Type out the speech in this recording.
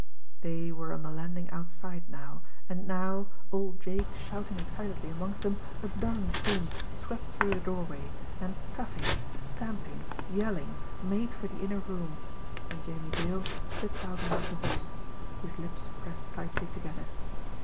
They were on the landing outside now; and now, old Jake shouting excitedly amongst them, a dozen forms swept through the doorway, and scuffing, stamping, yelling, made for the inner room and Jimmie Dale slipped out into the hall. His lips pressed tightly together.